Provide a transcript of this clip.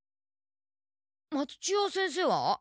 松千代先生は？